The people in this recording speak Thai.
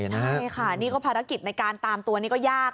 ใช่ค่ะนี่ก็ภารกิจในการตามตัวนี่ก็ยาก